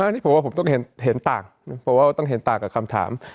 นี่ผมว่าผมต้องเห็นต่างกับคำถาม